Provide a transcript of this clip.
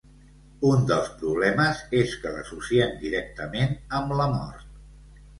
Un dels problemes és que l’associem directament amb la mort.